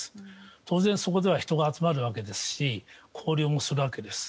当然そこでは人が集まるわけですし交流もするわけです。